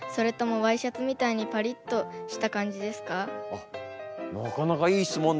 あっなかなかいい質問だな。